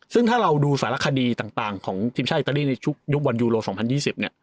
ซึ่งถ้าเราดูศาลคดีต่างต่างของทีมชาติอิตาลีในชุดยุควันยูโรสสองพันยี่สิบเนี่ย